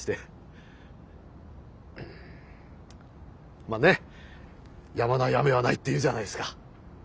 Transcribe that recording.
まあねっやまない雨はないって言うじゃないですか。